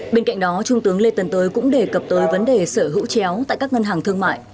bên cạnh đó trung tướng lê tân tới cũng đề cập tới vấn đề sở hữu chéo tại các ngân hàng thương mại